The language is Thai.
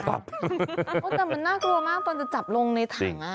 แต่มันน่ากลัวมากตอนจะจับลงในถัง